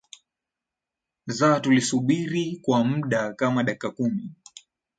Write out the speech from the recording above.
nza tulisubiri kwa mda kama dakika kumi